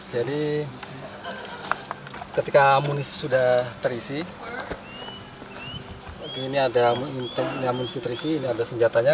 jadi ketika munisi sudah terisi ini ada munisi terisi ini ada senjatanya